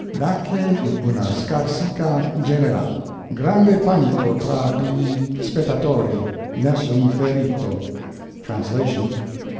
Nacque una scarica generale. Grande panico tra gli spettatori. Nessun ferito. _Translation.